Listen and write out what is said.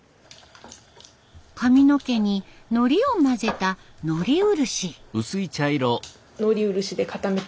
髪の毛にのりを混ぜたのり漆。